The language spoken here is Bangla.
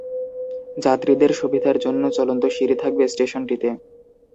যাত্রীদের সুবিধার জন্য চলন্ত সিঁড়ি থাকবে স্টেশনটিতে।